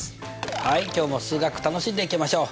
はい今日も数学楽しんでいきましょう。